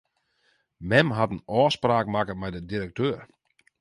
Mem hat in ôfspraak makke mei de direkteur.